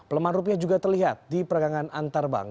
pelemah rupiah juga terlihat di pergangan antarbank